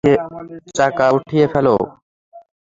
চাকা উঠিয়ে ফেলো!